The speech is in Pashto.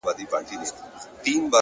چې د سپرغیو